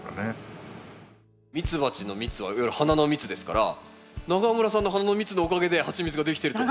ミツバチの蜜はいわゆる花の蜜ですから永村さんの花の蜜のおかげでハミチツができてると。